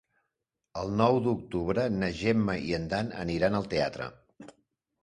El nou d'octubre na Gemma i en Dan aniran al teatre.